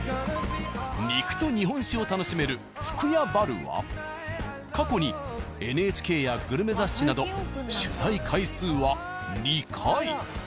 肉と日本酒を楽しめる「Ｆｕｋｕｙａバル」は過去にＮＨＫやグルメ雑誌など取材回数は２回。